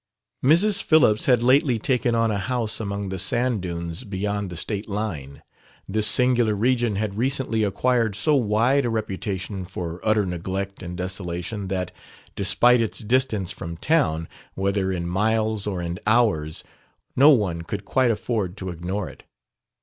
Mrs. Phillips had lately taken on a house among the sand dunes beyond the state line. This singular region had recently acquired so wide a reputation for utter neglect and desolation that despite its distance from town, whether in miles or in hours no one could quite afford to ignore it.